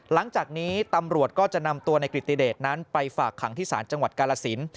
หลังจากนี้ตำรวจก็จะนำตัวในกฤติเดชนั้นไปฝากขังที่ศาลจังหวัดกาลสิน